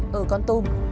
ở co tùm